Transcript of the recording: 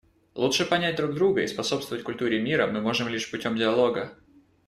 Лучше понять друг друга и способствовать культуре мира мы можем лишь путем диалога.